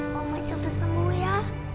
mama coba sembuh ya